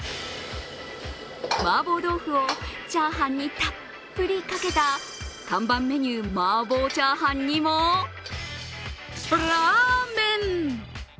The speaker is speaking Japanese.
マーボー豆腐をチャーハンにたっぷりかけた看板メニュー、マーボーチャーハンにもラーメン。